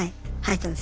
はい。